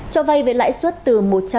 cho vay về lãi suất từ một trăm linh chín năm